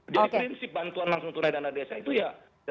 jadi prinsip bantuan langsung tunai dana desa itu ya